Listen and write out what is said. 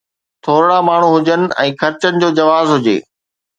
ٿورڙا ماڻهو هجن ۽ خرچن جو جواز هجي.